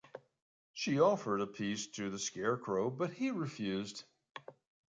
She offered a piece to the Scarecrow, but he refused.